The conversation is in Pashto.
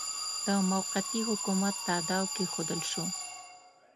د موقتي حکومت تاداو کښېښودل شو.